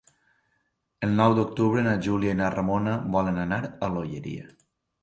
El nou d'octubre na Júlia i na Ramona volen anar a l'Olleria.